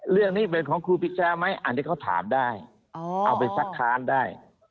เรื่องนี้เป็นของครูพิชาไหมอันนี้เขาถามได้เอาไปซักค้านได้